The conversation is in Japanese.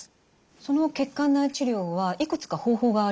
その血管内治療はいくつか方法がありますよね？